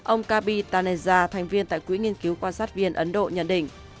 ông khabib taneja thành viên tại quỹ nghiên cứu quan sát viên ấn độ nhận định